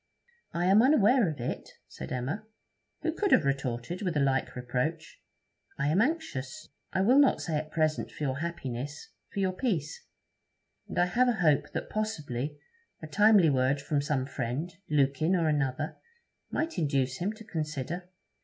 'I am unaware of it,' said Emma, who could have retorted with a like reproach. 'I am anxious, I will not say at present for your happiness, for your peace; and I have a hope that possibly a timely word from some friend Lukin or another might induce him to consider.'